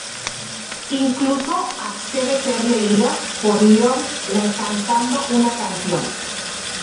Incluso accede ser "leída" por Lorne cantando una canción.